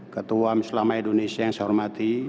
ketua muslimah indonesia yang saya hormati